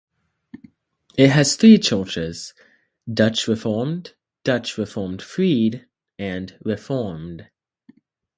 It has three churches: Dutch reformed, Dutch reformed freed and Reformed.